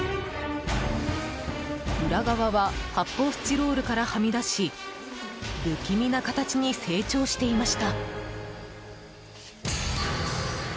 裏側は発泡スチロールからはみ出し不気味な形に成長していました。